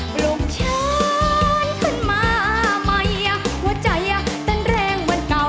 ปลุกช้อนขึ้นมาใหม่หัวใจเต้นแรงเหมือนเก่า